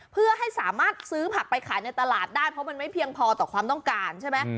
เพื่อให้สามารถซื้อผักไปขายในตลาดได้เพราะมันไม่เพียงพอต่อความต้องการใช่ไหม